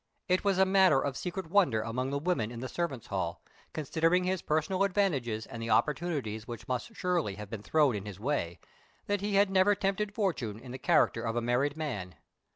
It was a matter of secret wonder among the women in the servants' hall, considering his personal advantages and the opportunities which must surely have been thrown in his way, that he had never tempted fortune in the character of a married man.